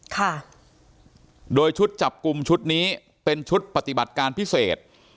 ค่ะโดยชุดจับกลุ่มชุดนี้เป็นชุดปฏิบัติการพิเศษ